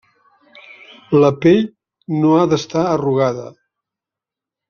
La pell no ha d'estar arrugada.